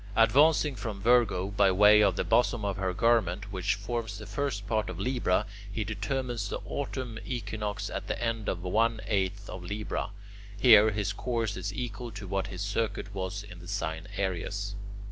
Advancing from Virgo by way of the bosom of her garment, which forms the first part of Libra, he determines the autumn equinox at the end of one eighth of Libra. Here his course is equal to what his circuit was in the sign Aries.